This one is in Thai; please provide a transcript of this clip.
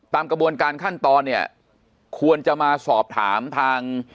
ตามกระบวนการขั้นตอนเนี่ยควรจะมาสอบถามทาง